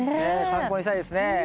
参考にしたいですね。